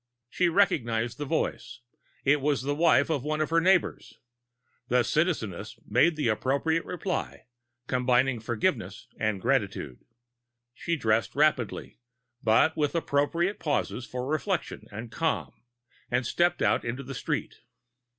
She recognized the voice; it was the wife of one of her neighbors. The Citizeness made the appropriate reply, combining forgiveness and gratitude. She dressed rapidly, but with appropriate pauses for reflection and calm, and stepped out into the street.